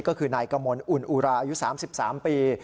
ก็คือนายกมลอุ่นอุราอายุ๓๓ปี